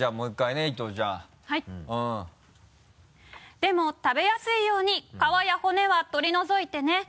「でも食べやすいように皮や骨は取り除いてね」